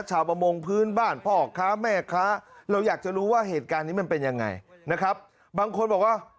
ประมงพื้นบ้านพ่อค้าแม่ค้าเราอยากจะรู้ว่าเหตุการณ์นี้มันเป็นยังไงนะครับบางคนบอกว่า